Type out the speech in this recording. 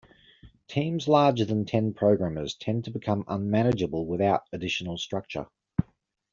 Teams larger than ten programmers tend to become unmanageable without additional structure.